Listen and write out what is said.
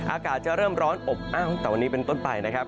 อากาศจะเริ่มร้อนอบอ้าวตั้งแต่วันนี้เป็นต้นไปนะครับ